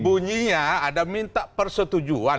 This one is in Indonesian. bunyinya ada minta persetujuan